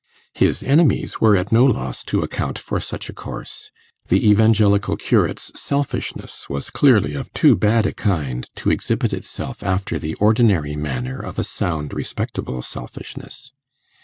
His enemies were at no loss to account for such a course. The Evangelical curate's selfishness was clearly of too bad a kind to exhibit itself after the ordinary manner of a sound, respectable selfishness.